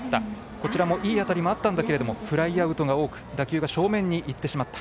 こちらもいい当たりもあったんだけれどもフライアウトが多く打球が正面にいってしまった。